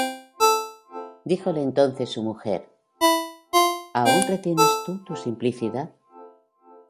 Díjole entonces su mujer: ¿Aun retienes tú tu simplicidad?